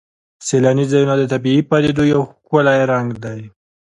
سیلاني ځایونه د طبیعي پدیدو یو ښکلی رنګ دی.